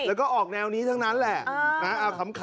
แล้วก็ออกแนวนี้ทั้งนั้นแหละ